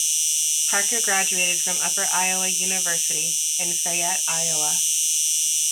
Parker graduated from Upper Iowa University in Fayette, Iowa.